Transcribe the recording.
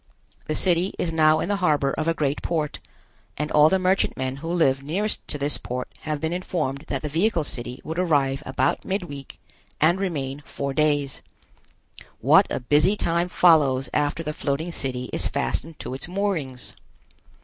The city is now in the harbor of a great port, and all the merchantmen who live nearest to this port have been informed that the vehicle city would arrive about midweek and remain four days. What a busy time follows after the floating city is fastened to its moorings!